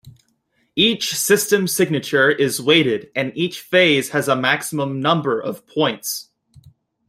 Each system signature is weighted and each phase has a maximum number of points.